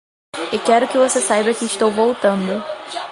E quero que você saiba que estou voltando.